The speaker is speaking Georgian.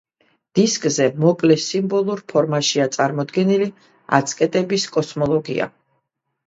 დისკზე მოკლე სიმბოლურ ფორმაშია წარმოდგენილი აცტეკების კოსმოლოგია.